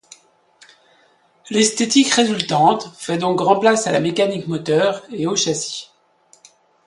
L'esthétique résultante fait donc grand place à la mécanique moteur et au châssis.